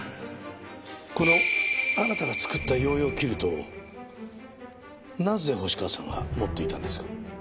このあなたが作ったヨーヨーキルトをなぜ星川さんが持っていたんですか？